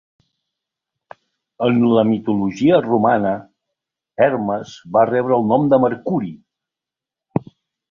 En la mitologia romana, Hermes va rebre el nom de Mercuri.